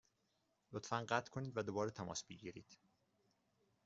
لطفا قطع کنید و دوباره تماس بگیرید.